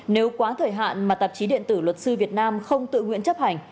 nếu quá thời hạn mà tạp chí điện tử luật sư việt nam không tự nguyện chấp hành